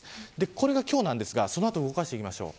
これが今日ですがその後、動かしていきましょう。